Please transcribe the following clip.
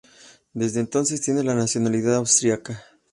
Desde entonces tiene la nacionalidad austríaca.